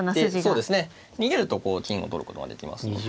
そうですね逃げるとこう金を取ることができますので。